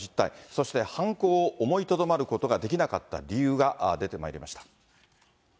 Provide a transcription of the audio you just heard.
そして犯行を思いとどまることができなかった理由が出てまいりました。